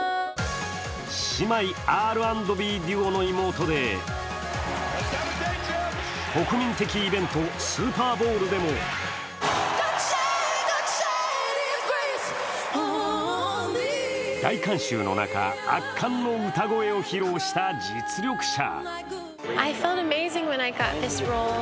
姉妹Ｒ＆Ｂデュオの妹で、国民的イベント、スーパーボウルでも大観衆の中、圧巻の歌声を披露した実力者。